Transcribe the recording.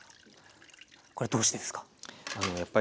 これどうしてですか？